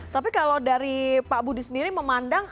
tapi kalau dari pak budi sendiri memandang